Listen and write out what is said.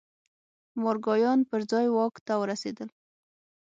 مارګایان پر ځای واک ته ورسېدل.